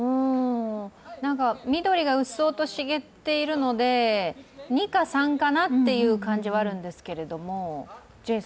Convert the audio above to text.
なんか緑がうっそうと茂っているので②か③かなっていう感じはあるんですけど。